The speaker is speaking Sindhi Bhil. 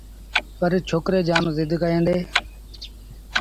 پرڇوڪري جآم زد ڪيآݩدي